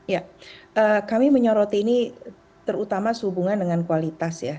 ya kami menyoroti ini terutama sehubungan dengan kualitas ya